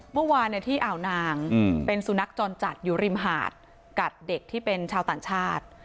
เมื่อวานที่อ่าวนางเป็นสุนัขจรจัดอยู่ริมหาดกัดเด็กที่เป็นชาวต่างชาติ